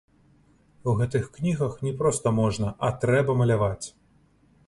У гэтых кнігах не проста можна, а трэба маляваць.